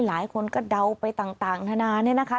หลายคนก็เดาไปต่างนานาเนี่ยนะคะ